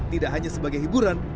tidak hanya sebagai hiburan